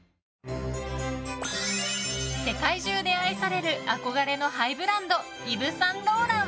世界中で愛される憧れのハイブランドイヴ・サンローラン。